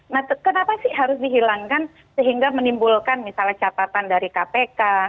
nah kenapa sih harus dihilangkan sehingga menimbulkan misalnya catatan dari kpk